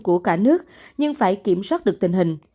của cả nước nhưng phải kiểm soát được tình hình